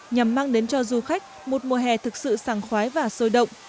nhằm mang đến cho du khách một mùa hè thực sự sàng khoái và sôi động